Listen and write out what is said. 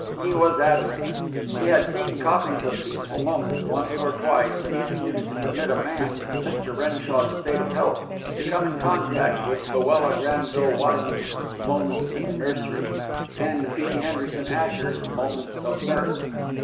He was adamant. He had seen copies of Peaceful Moments once or twice, and refused to permit a man in Mr. Renshaw's state of health to come in contact with Luella Granville Waterman's "Moments in the Nursery" and B. Henderson Asher's "Moments of Mirth."